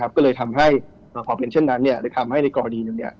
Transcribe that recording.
ก็เลยทำให้พอเป็นเช่นนั้นเลยทำให้ในกรณีหนึ่ง